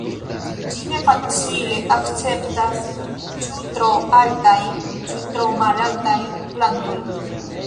Ĝi ne facile akceptas ĉu tro altajn ĉu tro malaltajn plantojn.